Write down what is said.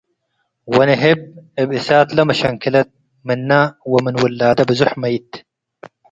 ወንህብ እብ እሳት ለመሸንክለት፡ ምነ ወምን ውላደ ብዞሕ መይት።